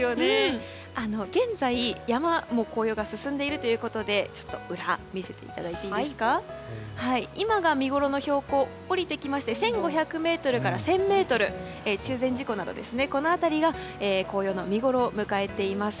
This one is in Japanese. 現在、山も紅葉が進んでいるということで今が見ごろの標高下りてきまして１５００ｍから１０００ｍ中禅寺湖など、この辺りが紅葉の見ごろを迎えています。